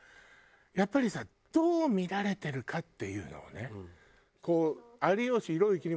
やっぱりさどう見られてるかっていうのをね。